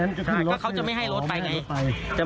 เพราะเขาจะไม่ให้รถไปไง